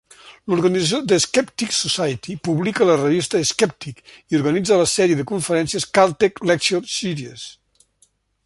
L'organització The Skeptics Society publica la revista "Skeptic" i organitza la sèrie de conferències Caltech Lecture Series.